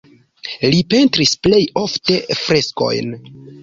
Li pentris plej ofte freskojn.